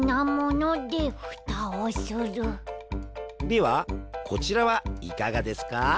ではこちらはいかがですか？